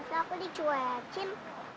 atau aku dicuecin